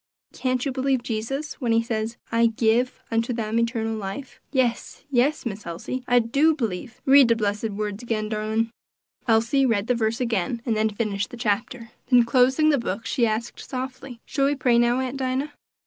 Can't you believe Jesus when he says, 'I give unto them eternal life'?" "Yes, yes, Miss Elsie! I do b'lieve; read de blessed words again, darlin'." Elsie read the verse again, and then finished the Chapter. Then closing the book, she asked softly, "Shall we pray, now, Aunt Dinah?"